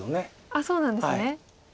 あっそうなんですね。